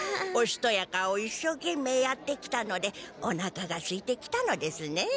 「おしとやか」を一生懸命やってきたのでおなかがすいてきたのですね。